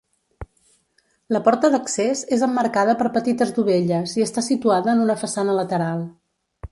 La porta d'accés és emmarcada per petites dovelles i està situada en una façana lateral.